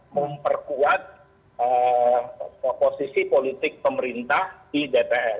memperkuat posisi politik pemerintah di dpr